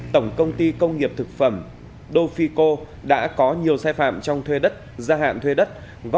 tổng công ty công nghiệp thực phẩm dofico đã có nhiều sai phạm trong thuê đất gia hạn thuê đất